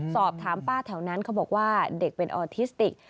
สอบถามป้าแถวนั้นเขาบอกว่าเด็กเป็นออทิสติก